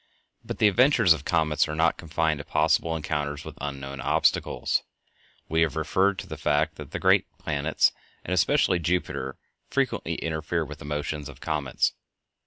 But the adventures of comets are not confined to possible encounters with unknown obstacles. We have referred to the fact that the great planets, and especially Jupiter, frequently interfere with the motions of comets.